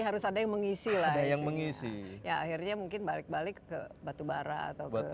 harus ada yang mengisi lah yang mengisi ya akhirnya mungkin balik balik ke batubara atau ke